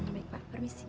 baik pak permisi